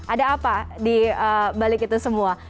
ada apa di balik itu semua